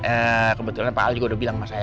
eh kebetulan pak al juga udah bilang sama saya